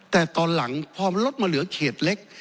แต่ตอนหลังพอมันลดมาเหลือเขตเล็ก